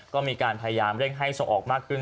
ก็มีการพยายามเร่งให้ส่งออกมากขึ้น